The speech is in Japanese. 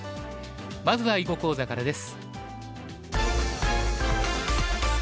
まずは囲碁講座からです。